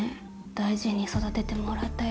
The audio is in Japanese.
大事に育ててもらったよ。